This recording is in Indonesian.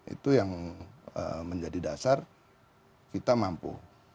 itu yang menjadi dasar kita mampu